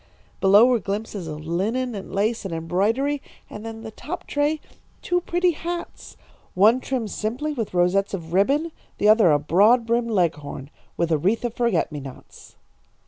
Below were glimpses of linen and lace and embroidery, and in the top tray two pretty hats. One trimmed simply with rosettes of ribbon, the other a broad brimmed leghorn with a wreath of forget me nots.